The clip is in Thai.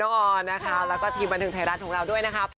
เย่ขอบคุณนะครับแล้วก็ทีมันถึงไทยร้านของเราด้วยนะครับ